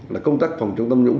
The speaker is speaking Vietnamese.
là công tác phòng chống tham nhũng